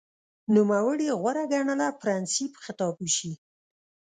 نوموړي غوره ګڼله پرنسېپ خطاب وشي